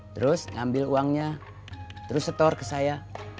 terus ngambil uangnya terus setor ke saya